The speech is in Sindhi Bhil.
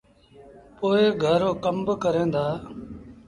پو گھر رو ڪم با ڪريݩ دآ۔